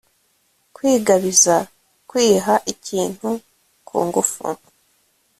kwigabiza kwiha ikintu ku ngufu